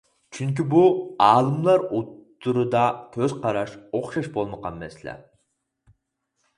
چۈنكى بۇ ئالىملار ئوتتۇرىدا كۆز قاراش ئوخشاش بولمىغان مەسىلە.